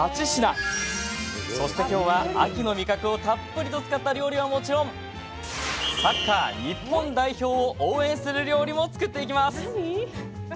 そして今日は、秋の味覚をたっぷりと使った料理はもちろんサッカー日本代表を応援する料理も作っていきます！